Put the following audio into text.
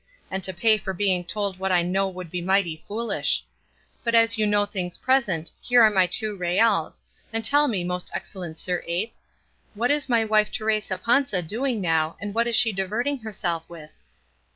And to pay for being told what I know would be mighty foolish. But as you know things present, here are my two reals, and tell me, most excellent sir ape, what is my wife Teresa Panza doing now, and what is she diverting herself with?"